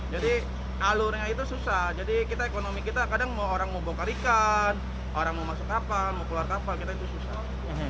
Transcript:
alurnya itu susah jadi kita ekonomi kita kadang mau orang mau bongkar ikan orang mau masuk kapal mau keluar kapal kita itu susah